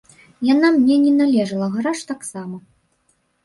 Яна мне не належала, гараж таксама.